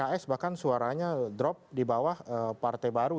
pks bahkan suaranya drop di bawah partai baru